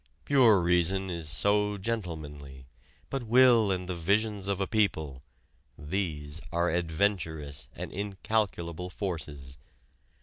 Pure reason is so gentlemanly, but will and the visions of a people these are adventurous and incalculable forces.